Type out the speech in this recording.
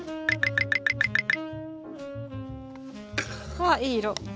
わっいい色。